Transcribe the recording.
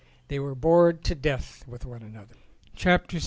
They were bored to death with one another.